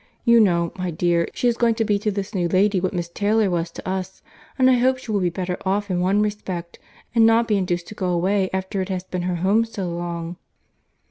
You know, my dear, she is going to be to this new lady what Miss Taylor was to us. And I hope she will be better off in one respect, and not be induced to go away after it has been her home so long."